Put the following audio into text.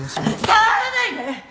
触らないで！